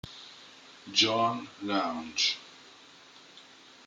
John Lounge